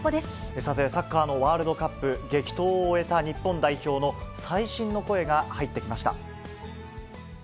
さて、サッカーのワールドカップ、激闘を終えた日本代表の最新の声が入ってきました。